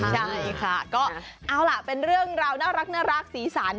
ใช่ค่ะก็เอาล่ะเป็นเรื่องราวน่ารักสีสัน